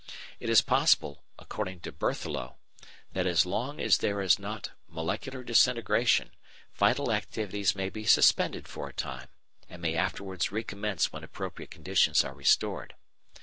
It is possible, according to Berthelot, that as long as there is not molecular disintegration vital activities may be suspended for a time, and may afterwards recommence when appropriate conditions are restored.